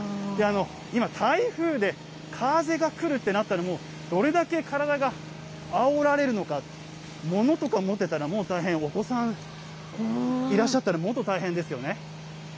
今、台風で風が来るってなったら、もう、どれだけ体があおられるのか、物とか持ってたら、もう大変、お子さんいらっしゃったら、もっと大変ですよね。